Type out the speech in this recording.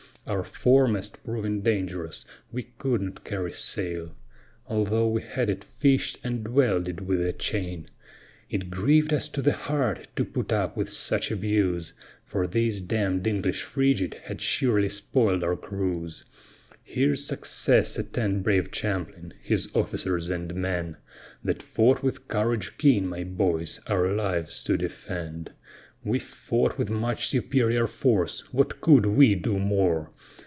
Our foremast proving dangerous, we could not carry sail, Although we had it fish'd and welded with a chain; It grieved us to the heart to put up with such abuse, For this damn'd English frigate had surely spoil'd our cruise. Here's success attend brave Champlin, his officers and men, That fought with courage keen, my boys, our lives to defend; We fought with much superior force, what could we do more?